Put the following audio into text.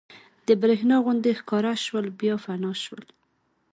د برېښنا غوندې ښکاره شول بیا فنا شول.